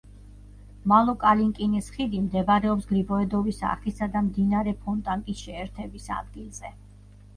მალო-კალინკინის ხიდი მდებარეობს გრიბოედოვის არხისა და მდინარე ფონტანკის შეერთების ადგილზე.